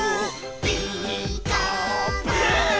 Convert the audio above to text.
「ピーカーブ！」